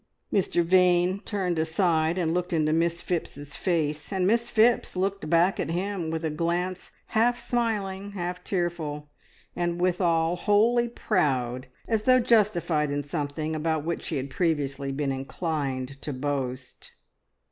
Mr Vane turned aside, and looked into Miss Phipps's face, and Miss Phipps looked back at him with a glance half smiling, half tearful, and withal wholly proud, as though justified in something about which she had previously been inclined to boast.